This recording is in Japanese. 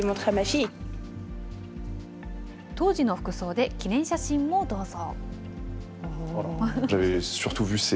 当時の服装で記念写真もどうぞ。